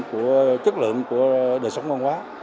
của chất lượng của đời sống ngon quá